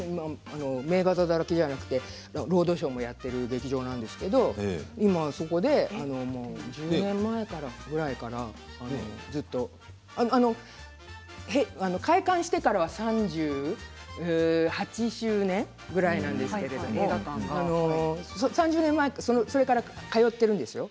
名画座だけじゃなくてロードショーもやってる劇場なんですけど今はそこで何年か前から開館してからは３８周年ぐらいなんですけども３０年ぐらい前、そこから通っているんですよ。